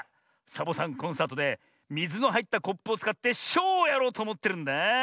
サボさんコンサートでみずのはいったコップをつかってショウをやろうとおもってるんだあ。